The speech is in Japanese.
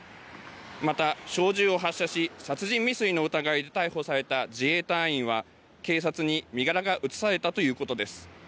また小銃を発射し殺人未遂の疑いで逮捕された自衛隊員は警察に身柄が移されたということです。